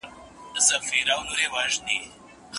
هغه موخه چي هر لارښود یې لري د شاګردانو روزل دي.